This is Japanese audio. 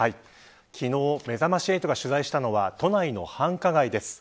昨日、めざまし８が取材したのは都内の繁華街です。